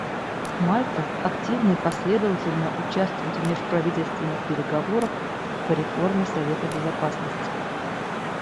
Мальта активно и последовательно участвует в межправительственных переговорах по реформе Совета Безопасности.